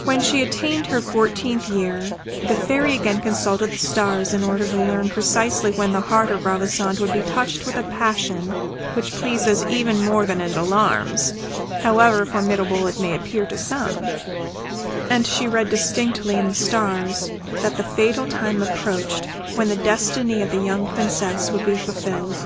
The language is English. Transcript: When she had attained her fourteenth year the Fairy again consulted the stars, in order to learn precisely when the heart of Ravissante would be touched with a passion which pleases even more than it alarms, however formidable it may appear to some; and she read distinctly in the stars that the fatal time approached when the destiny of the young Princess would be fulfilled.